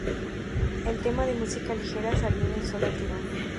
El tema "De música ligera" salió de un solo tirón.